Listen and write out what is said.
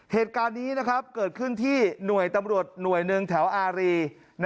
เหตุการณ์นี้เกิดขึ้นที่หน่วยตำรวจหน่วยหนึ่งแถวอารี